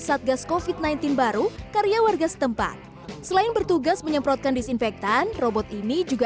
satgas kofit sembilan belas baru karya warga setempat selain bertugas menyemprotkan disinfektan robot ini juga